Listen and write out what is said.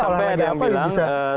sampai ada yang bilang